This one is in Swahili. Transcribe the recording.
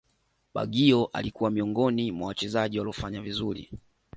baggio alikuwa miongoni mwa Wachezaji waliofanya vizuri